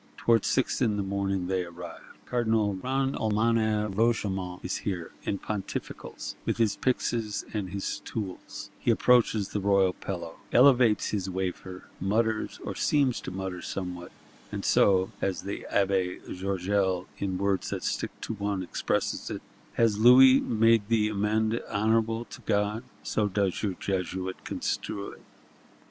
Towards six in the morning, they arrive. Cardinal Grand Almoner Roche Aymon is here, in pontificals, with his pyxes and his tools; he approaches the royal pillow; elevates his wafer; mutters or seems to mutter somewhat;—and so (as the Abbé Georgel, in words that stick to one, expresses it) has Louis "made the amende honorable to God;" so does your Jesuit construe it.